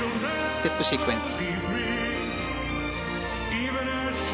ステップシークエンス。